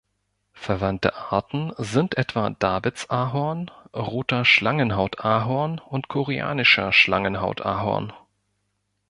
Verwandte Arten sind etwa Davids-Ahorn, Roter Schlangenhaut-Ahorn und Koreanischer Schlangenhaut-Ahorn.